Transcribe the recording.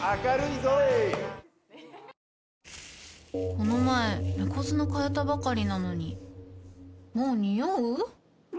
この前猫砂替えたばかりなのにもうニオう？